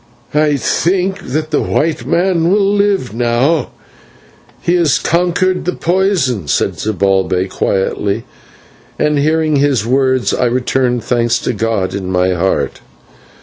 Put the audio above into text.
"I think that the white man will live now; he has conquered the poison," said Zibalbay quietly, and hearing his words I returned thanks to God in my heart.